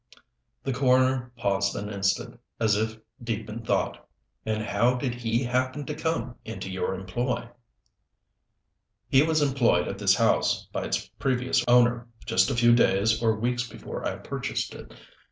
The coroner paused an instant, as if deep in thought. "And how did he happen to come into your employ?" "He was employed at this house by its previous owner, just a few days or weeks before I purchased it.